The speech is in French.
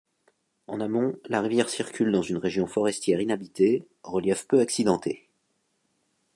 En amont, la rivière circule dans une région forestière inhabitée, au relief peu accidenté.